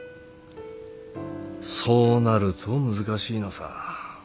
そうなると難しいのさ。